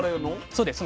そうです。